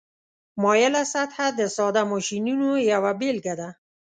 مایله سطحه د ساده ماشینونو یوه بیلګه ده.